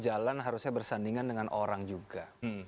jalan harusnya bersandingan dengan orang juga